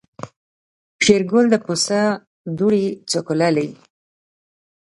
شېرګل د پسه دوړې سکوللې.